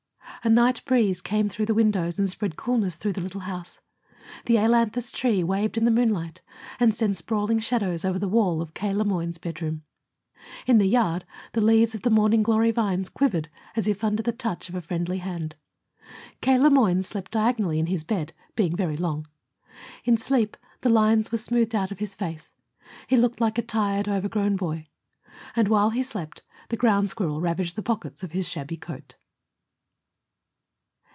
A night breeze came through the windows and spread coolness through the little house. The ailanthus tree waved in the moonlight and sent sprawling shadows over the wall of K. Le Moyne's bedroom. In the yard the leaves of the morning glory vines quivered as if under the touch of a friendly hand. K. Le Moyne slept diagonally in his bed, being very long. In sleep the lines were smoothed out of his face. He looked like a tired, overgrown boy. And while he slept the ground squirrel ravaged the pockets of his shabby coat.